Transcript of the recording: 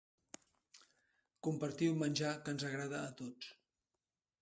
Compartiu menjar que ens agrada a tots.